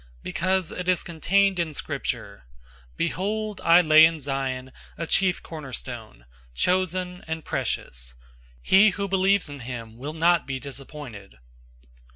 002:006 Because it is contained in Scripture, "Behold, I lay in Zion a chief cornerstone, chosen, and precious: He who believes in him will not be disappointed."